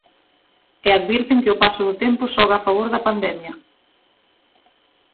E advirten que o paso do tempo xoga a favor da pandemia.